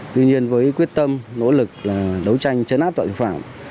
tuy nhiên với quyết tâm nỗ lực đấu tranh chấn áp tội phạm